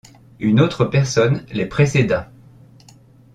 Une autre personne les précéda.